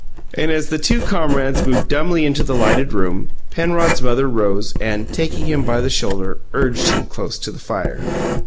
And as the two comrades moved dumbly into the lighted room, Penrod's mother rose, and, taking him by the shoulder, urged him close to the fire.